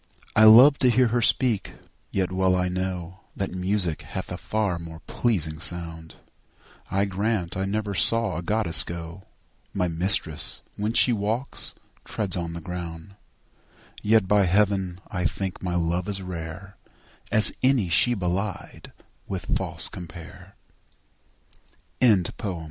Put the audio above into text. I love to hear her speak, yet well I know That music hath a far more pleasing sound; I grant I never saw a goddess go; My mistress, when she walks, treads on the ground: And yet, by heaven, I think my love as rare As any she belied with false compare. CXXXI.